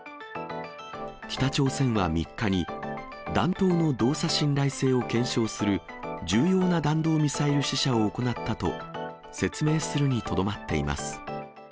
北朝鮮は３日に、弾頭の動作信頼性を検証する、重要な弾道ミサイル試射を行ったと、説明するにとどまっています。